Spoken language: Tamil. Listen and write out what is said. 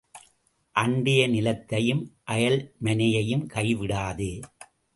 அண்டை நிலத்தையும் அயல் மனையையும் கை விடாதே.